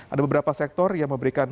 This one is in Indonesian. ada beberapa sektor yang memberikan